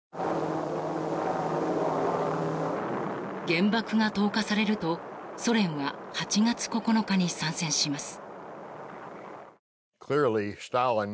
原爆が投下されるとソ連は８月９日に参戦します。